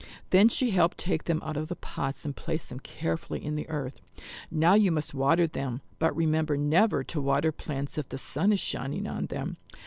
Then she helped take them out of the pots and place them carefully in the earth. "Now you must water them. But remember never to water plants if the sun is shining on them."